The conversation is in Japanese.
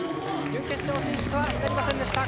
準決勝進出はなりませんでした。